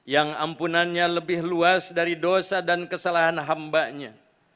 yang ampunannya lebih luas dari dosa dan kesalahan hambanya